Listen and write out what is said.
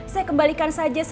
saya kembalikan saja